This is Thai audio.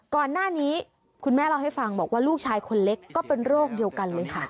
ก่อนหน้านี้คุณแม่เล่าให้ฟังบอกว่าลูกชายคนเล็กก็เป็นโรคเดียวกันเลยค่ะ